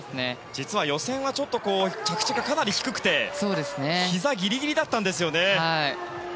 実は予選は着地がかなり低くてひざギリギリだったんですよね。